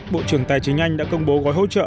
bộ trưởng tài chính anh đã công bố gói hỗ trợ